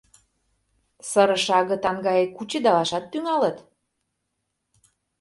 Сырыше агытан гае кучедалашат тӱҥалыт...